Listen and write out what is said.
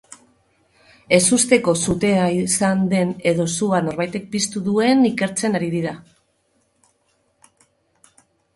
Ezusteko sutea izan den edo sua norbaitek piztu duen ikertzen ari dira.